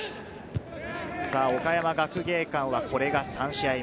岡山学芸館はこれが３試合目。